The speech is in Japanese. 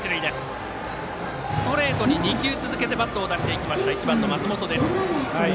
ストレートに２球続けてバットを出していきました。